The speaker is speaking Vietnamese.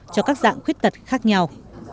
cho các dạng khuyết tật khác nhau